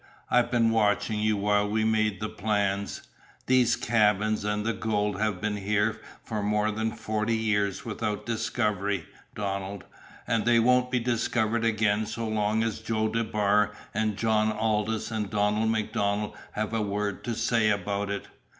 "I've been watching you while we made the plans. These cabins and the gold have been here for more than forty years without discovery, Donald and they won't be discovered again so long as Joe DeBar and John Aldous and Donald MacDonald have a word to say about it.